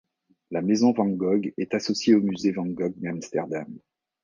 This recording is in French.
La Maison van Gogh est associée au Musée van Gogh d’Amsterdam.